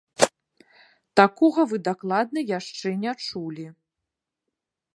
Такога вы дакладна яшчэ не чулі!